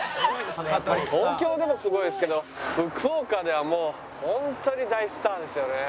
東京でもすごいですけど福岡ではもうホントに大スターですよね。